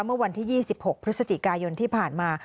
เมื่อวันที่๒๖พฤศจิกายนที่ผ่านมา